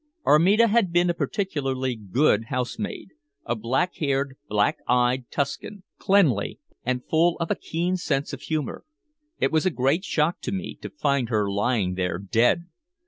Armida had been a particularly good housemaid, a black haired, black eyed Tuscan, quick, cleanly, and full of a keen sense of humor. It was a great shock to me to find her lying there dead.